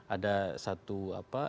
ada satu apa